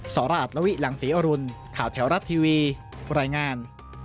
สราชลวิหลังศรีอรุณข่าวแถวรัฐทีวีรายงาน